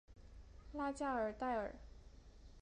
拉加尔代尔。